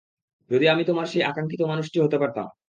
যদি আমি তোমার সেই আকাঙ্ক্ষিত মানুষটা হতে পারতাম!